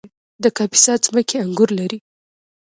د کاپیسا ځمکې انګور لري